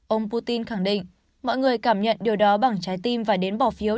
ông putin khẳng định mọi người cảm nhận điều đó bằng trái tim và đến bỏ phiếu